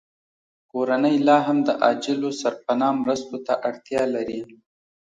کورنۍ لاهم د عاجلو سرپناه مرستو ته اړتیا لري